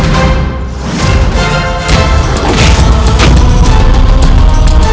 kau tidak mau melawanku